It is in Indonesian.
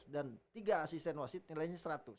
dan tiga asisten wasit nilainya seratus